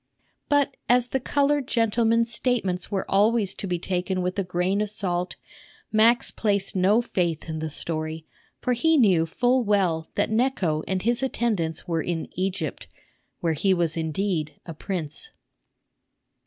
But as the colored gentleman's statements were always to be taken with a grain of salt, Max placed no faith in the story; for he knew full well that Necho and his attendants were in Egypt, where he was indeed a prince.